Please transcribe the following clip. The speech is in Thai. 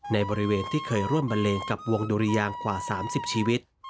ในบริเวณที่เคยร่วมบันเลงกับวงดุริยางกว่า๓๐ชีวิต